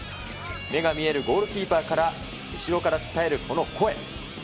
目が見えるゴールキーパーから後ろから伝えるこの声。